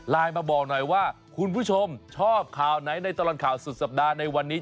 มาบอกหน่อยว่าคุณผู้ชมชอบข่าวไหนในตลอดข่าวสุดสัปดาห์ในวันนี้